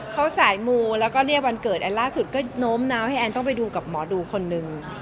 เขาสายมูแล้วก็เรียกวันเกิดแอนล่าสุดก็โน้มน้าวให้แอนต้องไปดูกับหมอดูคนหนึ่ง